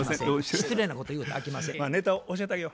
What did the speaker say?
失礼なこと言うたらあきませんよ。